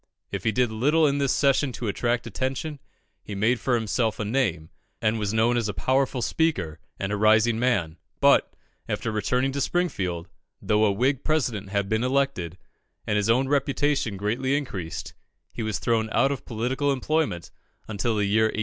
If he did little in this session to attract attention, he made for himself a name, and was known as a powerful speaker and a rising man; but, after returning to Springfield, though a Whig President had been elected, and his own reputation greatly increased, he was thrown out of political employment until the year 1854.